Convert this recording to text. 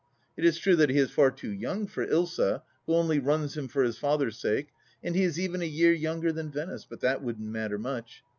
It is true that he is far too young for Ilsa, who only runs him for his father's sake, and he is even a year younger than Venice, but that wouldn't matter much.